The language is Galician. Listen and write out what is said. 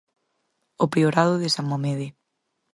O Priorado de San Mamede.